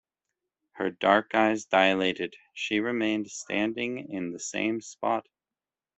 Her dark eyes dilated; she remained standing in the same spot.